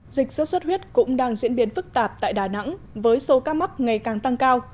dịch sốt xuất huyết cũng đang diễn biến phức tạp tại đà nẵng với số ca mắc ngày càng tăng cao